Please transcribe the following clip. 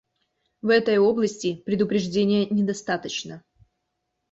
В этой области предупреждения недостаточно.